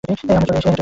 আমরা চলো হেঁটে আসি!